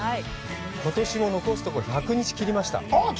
ことしも、残すところ、１００日を切りました。